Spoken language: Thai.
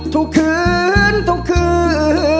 ทุกคืนทุกคืน